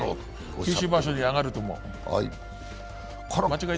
九州場所に上がると思う。